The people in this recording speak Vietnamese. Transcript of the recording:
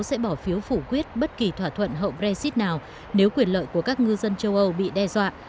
sẽ bỏ phiếu phủ quyết bất kỳ thỏa thuận hậu brexit nào nếu quyền lợi của các ngư dân châu âu bị đe dọa